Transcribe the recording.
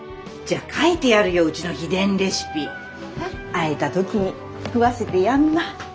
会えた時に食わせてやんな。